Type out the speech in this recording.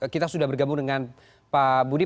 kita sudah bergabung dengan pak budi